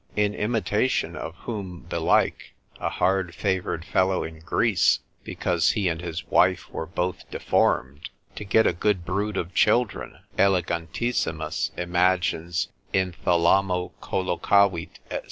In imitation of whom belike, a hard favoured fellow in Greece, because he and his wife were both deformed, to get a good brood of children, Elegantissimas imagines in thalamo collocavit, &c.